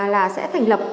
là sẽ thành lập